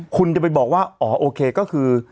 คุณจะไปบอกว่าอ๋อโอเคก็คือ